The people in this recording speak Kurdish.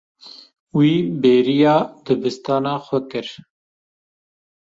Wî bêriya dibistana xwe kir.